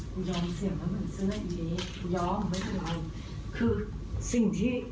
กูกำลังช่วยมายเปิดความอยากหอมรึมายก็ใจดีเยอะ